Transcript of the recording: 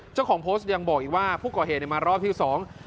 เจ้าของโพสต์ยังบอกอีกว่าผู้ก่อเหตุเนี่ยมารอบที่สอง